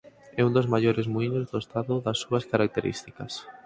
É un dos maiores muíños do estado das súas características.